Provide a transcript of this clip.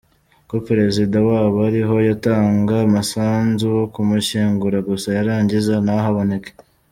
Ko perezida waba ariho yatanga umusanzu wo kumushyingura gusa yarangiza ntahaboneke?